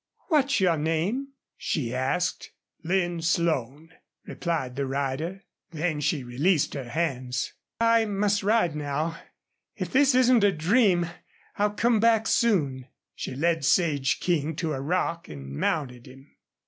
"What's your name?" she asked. "Lin Slone," replied the rider. Then she released her hands. "I must ride in now. If this isn't a dream I'll come back soon." She led Sage King to a rock and mounted him.